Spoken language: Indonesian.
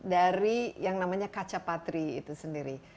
dari yang namanya kaca patri itu sendiri